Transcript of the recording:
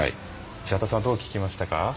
石渡さんどう聞きましたか？